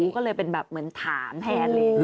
ก็เลยเป็นแบบเหมือนถามแทนเลย